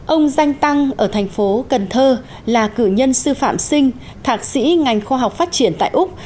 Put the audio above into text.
ông danh tăng ở thành phố cần thơ là cử nhân sư phạm sinh thạc sĩ ngành khoa học phát triển tại úc